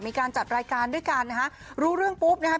มีการจัดรายการด้วยกันนะฮะรู้เรื่องปุ๊บนะครับ